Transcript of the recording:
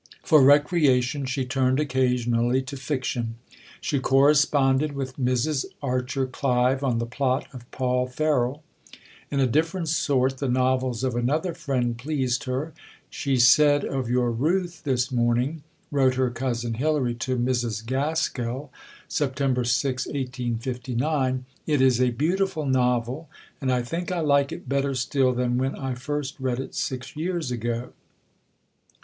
For recreation, she turned occasionally to fiction. She corresponded with Mrs. Archer Clive on the plot of Paul Ferroll. In a different sort, the novels of another friend pleased her. "She said of your Ruth this morning," wrote her cousin Hilary to Mrs. Gaskell (Sept. 6, 1859), "'It is a beautiful novel, and I think I like it better still than when I first read it six years ago.'